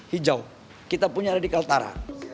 hijau kita punya radikal tara